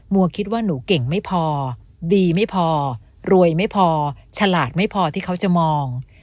คิดว่าหนูเก่งไม่พอดีไม่พอรวยไม่พอฉลาดไม่พอที่เขาจะมอง